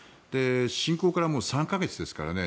侵攻からもう３か月ですからね。